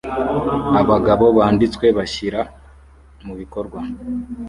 Abagabo banditswe bashyira mubikorwa